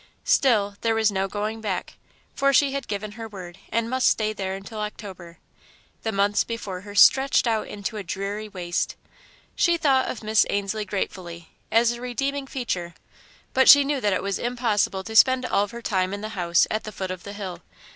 Still there was no going back, for she had given her word, and must stay there until October. The months before her stretched out into a dreary waste. She thought of Miss Ainslie gratefully, as a redeeming feature, but she knew that it was impossible to spend all of her time in the house it the foot of the hill.